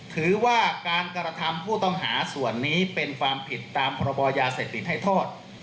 ถือว่าการกระทำผู้ต้องหาส่วนนี้เป็นความผิดตามพรบยาเสพติดให้โทษ